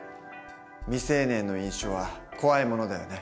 未成年の飲酒は怖いものだよね。